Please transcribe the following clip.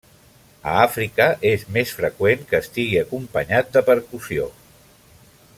A Àfrica és més freqüent que estigui acompanyat de percussió.